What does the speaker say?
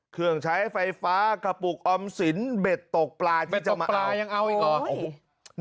เครื่องใช้ไฟฟ้ากระปุกออมสินเบ็ดตกปลายังเอาอีกหรอ